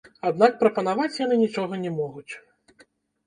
Аднак прапанаваць яны нічога не могуць.